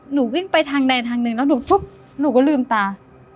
วิ่งไปทางใดทางหนึ่งแล้วหนูฟึ๊บหนูก็ลืมตา